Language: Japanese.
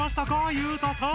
裕太さん！